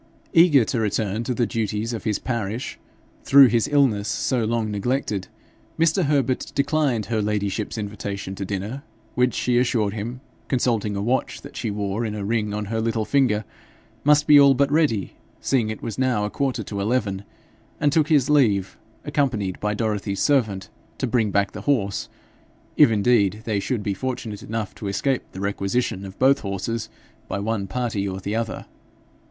Eager to return to the duties of his parish, through his illness so long neglected, Mr. Herbert declined her ladyship's invitation to dinner, which, she assured him, consulting a watch that she wore in a ring on her little finger, must be all but ready, seeing it was now a quarter to eleven, and took his leave, accompanied by Dorothy's servant to bring back the horse if indeed they should be fortunate enough to escape the requisition of both horses by one party or the other.